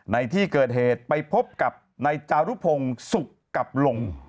ในที่เกิดเหตุไปพบกับนายจารุพงศุกร์กับลง